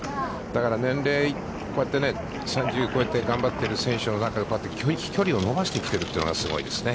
だから年齢こうやって３０を超えて頑張っている選手の中で、飛距離を伸ばしてきているというのがすごいですね。